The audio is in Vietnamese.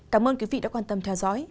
cảm ơn quý vị đã quan tâm theo dõi